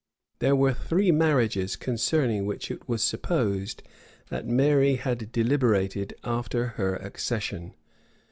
There were three marriages[*] concerning which it was supposed that Mary had deliberated after her accession.